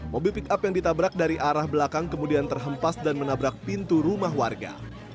mobil pick up yang ditabrak dari arah belakang kemudian terhempas dan menabrak pintu rumah warga